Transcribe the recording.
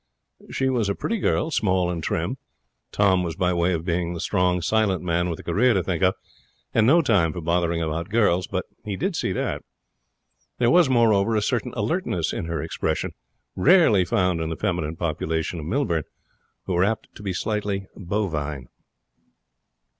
She was a pretty girl, small and trim. Tom was by way of being the strong, silent man with a career to think of and no time for bothering about girls, but he saw that. There was, moreover, a certain alertness in her expression rarely found in the feminine population of Millbourne, who were apt to be slightly bovine.